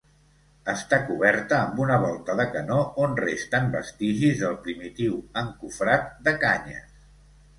Està coberta amb una volta de canó on resten vestigis del primitiu encofrat de canyes.